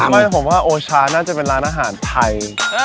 ไม่ผมว่าโอชาน่าจะเป็นร้านอาหารไทย